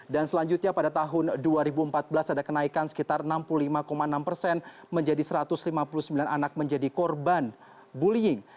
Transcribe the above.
dan selanjutnya pada tahun dua ribu empat belas ada kenaikan sekitar enam puluh lima enam persen menjadi satu ratus lima puluh sembilan anak menjadi korban bullying